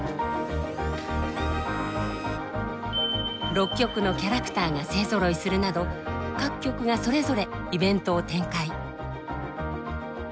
６局のキャラクターが勢ぞろいするなど各局がそれぞれイベントを展開。